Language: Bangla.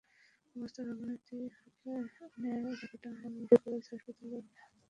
অবস্থার অবনতি হলে তাকে টাঙ্গাইল মেডিকেল কলেজ হাসপাতালে স্থানান্তর করা হয়।